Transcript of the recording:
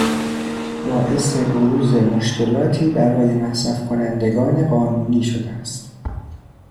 باعث بروز مشکلاتی برای مصرفکنندگان قانونی شده است